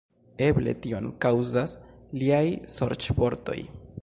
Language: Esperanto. Eble tion kaŭzas liaj sorĉvortoj.